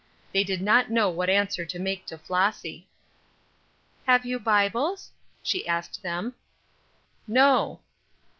They did not know what answer to make to Flossy. "Have you Bibles?" she asked them. "No."